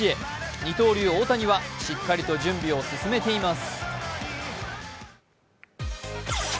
二刀流・大谷はしっかりと準備を進めています。